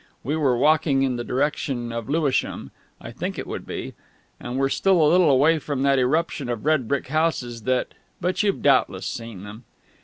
We were walking in the direction of Lewisham (I think it would be), and were still a little way from that eruption of red brick houses that ... but you've doubtless seen them.